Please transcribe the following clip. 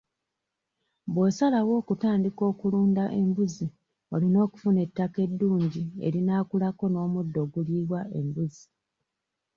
Bw'osalawo okutandika okulunda embuzi olina okufuna ettaka eddungi erinaakulako n'omuddo oguliibwa embuzi.